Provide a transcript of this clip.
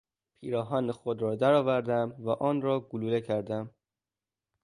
پیراهن خود را در آوردم و آن را گلوله کردم.